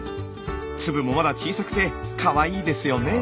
粒もまだ小さくてかわいいですよねぇ。